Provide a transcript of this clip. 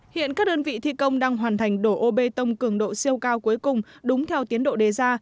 hiện các đơn vị thi công đang hoàn thành đổ ô bê tông cường độ siêu cao cuối cùng đúng theo tiến độ đề ra